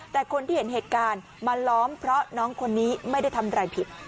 แต่คนที่เห็นเหตุการณ์มาล้อมเพราะน้องคนนี้ไม่ได้ทำอะไรผิด